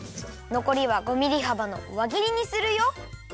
のこりは５ミリはばのわぎりにするよ。